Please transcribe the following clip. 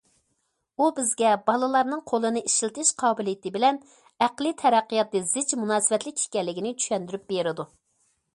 بۇ بىزگە بالىلارنىڭ قولىنى ئىشلىتىش قابىلىيىتى بىلەن ئەقلىي تەرەققىياتى زىچ مۇناسىۋەتلىك ئىكەنلىكىنى چۈشەندۈرۈپ بېرىدۇ.